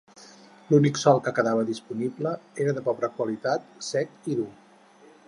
L'únic sòl que quedava disponible era de pobre qualitat, sec i dur.